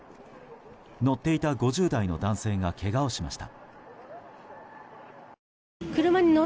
乗っていた５０代の男性がけがをしました。